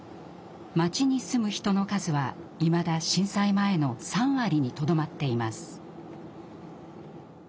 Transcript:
町に住む人の数はいまだ震災前の３割にとどまっています。